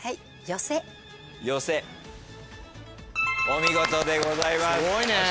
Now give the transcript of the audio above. お見事でございます。